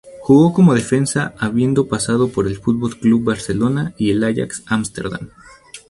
Jugó como defensa habiendo pasado por el Fútbol Club Barcelona y el Ajax Ámsterdam.